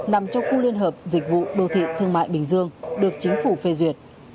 nằm trong khu liên hợp dịch vụ đô thị thương mại bình dương được chính phủ phê duyệt